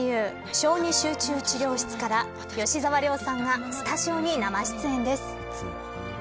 小児集中治療室から吉沢亮さんがスタジオに生出演です。